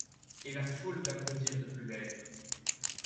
Et la foule d’applaudir de plus belle.